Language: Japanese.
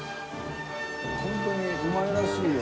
本当にうまいらしいよ